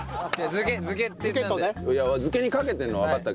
「漬け」に掛けてるのはわかったけど。